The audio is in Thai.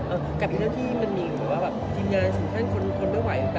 เอ้ากับที่ว่าทีมึงหรือเป็นทีมงานสิทธิ์ของคนไม่ไหว